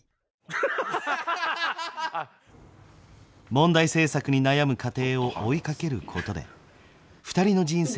問題制作に悩む過程を追いかけることで２人の人生が描かれる。